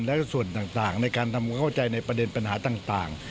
และส่วนต่างในการทำความเข้าใจในประเด็นปัญหาต่าง